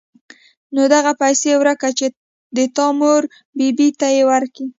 نو دغه پيسې ورکه چې د تا مور بي بي ته يې ورکي.